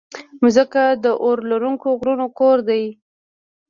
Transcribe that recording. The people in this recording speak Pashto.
مځکه د اورلرونکو غرونو کور ده.